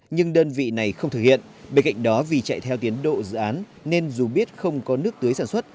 nhưng đơn vị này không thực hiện bên cạnh đó vì chạy theo tiến độ dự án nên dù biết không có nước tưới sản xuất